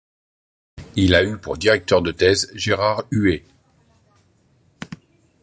Il a eu pour directeur de thèse Gérard Huet.